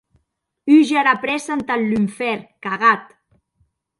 Húger ara prèssa entath lunfèrn, cagat!